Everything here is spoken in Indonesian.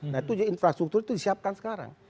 nah itu infrastruktur itu disiapkan sekarang